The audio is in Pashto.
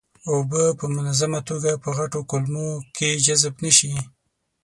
اوبه په منظمه توګه په غټو کولمو کې جذب نشي.